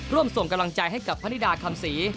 ร่วมส่งกำลังใจให้กับพนิดาคำศรี